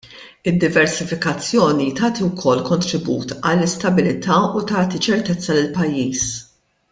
Id-diversifikazzjoni tagħti wkoll kontribut għall-istabbiltà u tagħti ċertezza lill-pajjiż.